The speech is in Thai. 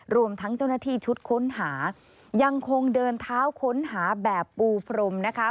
รวมทั้งเจ้าหน้าที่ชุดค้นหายังคงเดินเท้าค้นหาแบบปูพรมนะคะ